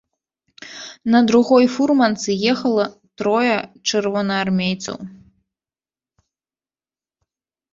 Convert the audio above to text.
На другой фурманцы ехала трое чырвонаармейцаў.